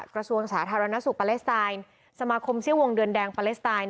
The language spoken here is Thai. กระทรวงสาธารณสุขปาเลสไตน์สมาคมซี่วงเดือนแดงปาเลสไตน์